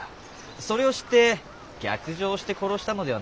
それを知って逆上して殺したのではないですか？